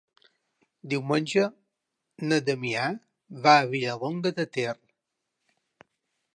Diumenge na Damià va a Vilallonga de Ter.